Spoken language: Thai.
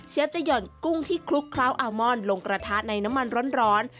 จะหย่อนกุ้งที่คลุกเคล้าอาลมอนลงกระทะในน้ำมันร้อน